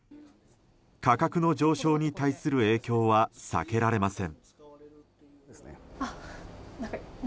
価格の上昇に対する影響は避けられません。